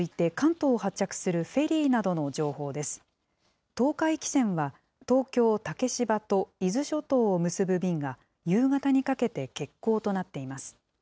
東海汽船は東京・竹芝と伊豆諸島を結ぶ便が、夕方にかけて欠航となっています。